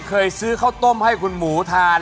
เคยซื้อข้าวต้มให้คุณหมูทาน